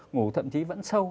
ngủ thậm chí vẫn sâu